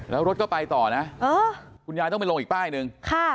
แล้วรถก็ไปต่อนะคุณยายต้องไปลงอีกป้ายหนึ่ง